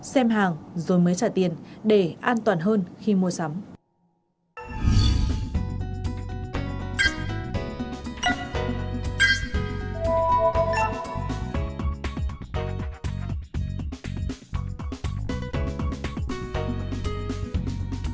xem hàng rồi mới trả tiền để an toàn hơn khi mua sắm